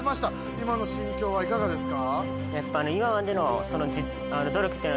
今の心境はいかがですか？